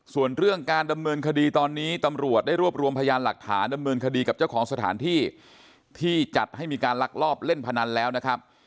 ส่วนเรื่องการดำเนินคดีตอนนี้ตำรวจได้รวบรวมพยานหลักฐานดำเนินคดีกับเจ้าของสถานที่ที่จัดให้มีการลักลอบเล่นพนันแล้วนะครับ